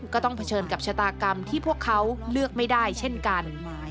ต้องเผชิญกับชะตากรรมที่พวกเขาเลือกไม่ได้เช่นกัน